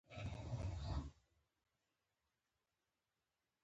قومونه د افغانستان د صادراتو یوه ډېره مهمه او بنسټیزه برخه ده.